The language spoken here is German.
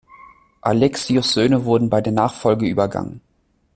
Alexios’ Söhne wurden bei der Nachfolge übergegangen.